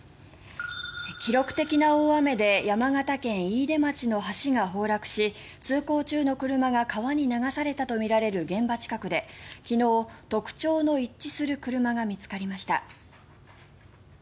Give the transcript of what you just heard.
記録的な大雨で山形県飯豊町の橋が崩落し通行中の車が、川に流されたとみられる現場近くで昨日、特徴の一致する車が見つかりました。